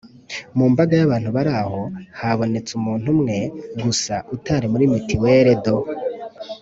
mu mbaga y’abantu bari aho, habonetse umuntu umwe gusa utari muri mutuelle de